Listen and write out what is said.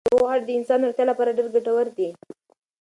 طبیعي خواړه د انسان د روغتیا لپاره ډېر ګټور دي.